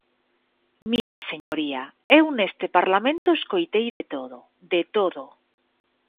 Mire, señoría, eu neste Parlamento escoitei de todo -de todo-.